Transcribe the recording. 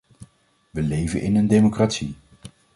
We leven in een democratie.